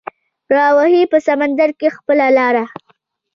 راوهي په سمندر کې خپله لاره